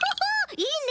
いいね！